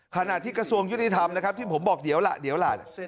ขณะที่กระทรวงยุติธรรมนะครับที่ผมบอกเดี๋ยวล่ะเดี๋ยวล่ะ